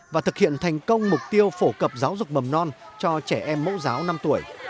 và thực hiện thành công mục tiêu phổ cập giáo dục mầm non cho trẻ em mẫu giáo năm tuổi